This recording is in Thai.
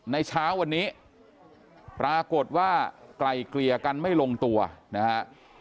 เช้าวันนี้ปรากฏว่าไกลเกลี่ยกันไม่ลงตัวนะฮะ